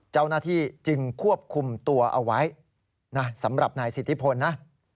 เจ้าหน้าที่จึงควบคุมตัวเอาไว้นะสำหรับนายสิทธิพลนะ